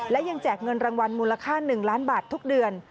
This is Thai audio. และยังแจกเงินรางวัลมูลค่า๑ล้านบาททุกเดือน